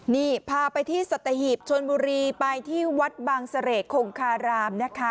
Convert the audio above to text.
นี่พาไปที่สัตหีบชนบุรีไปที่วัดบางเสรกคงคารามนะคะ